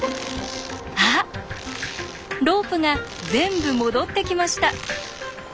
あっロープが全部戻ってきました。